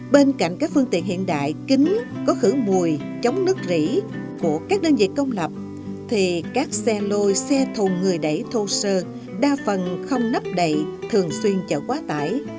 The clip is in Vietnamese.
bên cạnh các phương tiện hiện đại kính có khử mùi chống nước rỉ của các đơn vị công lập thì các xe lô xe thùng người đẩy thô sơ đa phần không nắp đầy thường xuyên chở quá tải